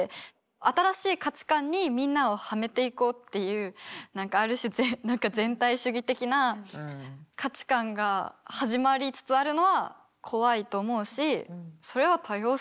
新しい価値観にみんなをはめていこうっていう何かある種全体主義的な価値観が始まりつつあるのは怖いと思うしそれは多様性じゃない。